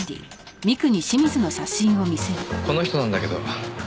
この人なんだけど。